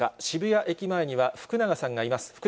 渋谷駅前には福永さんがいます。